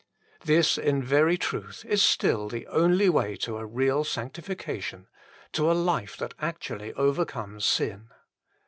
This, in very truth, is still the only way to a real sanctifi cation, to a life that actually overcomes sin.